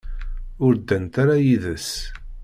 Ur ddant ara yid-s.